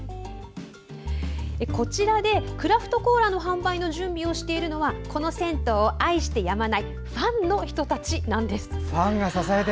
こちらで、クラフトコーラの販売の準備をしているのはこの銭湯を愛してやまないファンの人たちなんです。